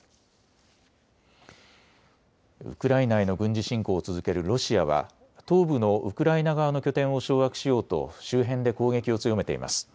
ウクライナへの軍事侵攻を続けるロシアは東部のウクライナ側の拠点を掌握しようと周辺で攻撃を強めています。